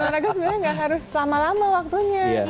olahraga sebenarnya nggak harus lama lama waktunya